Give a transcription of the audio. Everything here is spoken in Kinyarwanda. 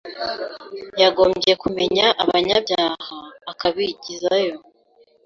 yagombye kumenya abanyabyaha akabigizayo.